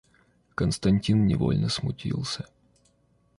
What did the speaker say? Константин невольно смутился.